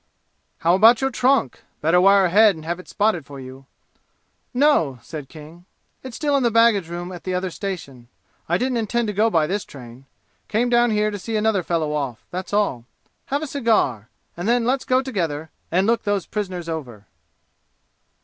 "How about your trunk? Better wire ahead and have it spotted for you." "No," said King; "it's still in the baggage room at the other station. I didn't intend to go by this train. Came down here to see another fellow off, that's all! Have a cigar and then let's go together and look those prisoners over!"